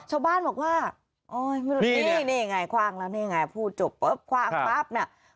ชาวบ้านบอกว่าโอ๊ยไม่รู้นี่นี่ไงคว่างแล้วนี่ไงพูดจบปุ๊บคว่างปั๊บน่ะ